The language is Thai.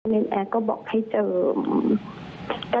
เมรินแอร์ก็บอกให้เจิม